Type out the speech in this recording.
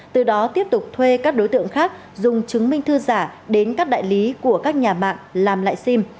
từ đó tiếp tục thuê các đối tượng khác dùng chứng minh thư giả đến các đại lý của các nhà mạng làm lại sim